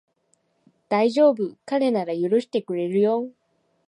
だいじょうぶ、彼なら許してくれるよ